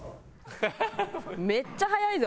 めっちゃ速いぞ！